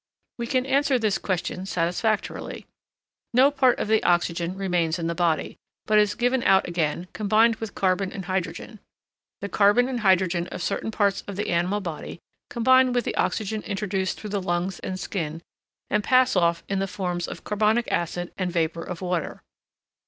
We can answer this question satisfactorily. No part of the oxygen remains in the body, but is given out again, combined with carbon and hydrogen. The carbon and hydrogen of certain parts of the animal body combine with the oxygen introduced through the lungs and skin, and pass off in the forms of carbonic acid and vapour of water.